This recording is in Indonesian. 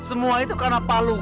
semua itu karena pak luki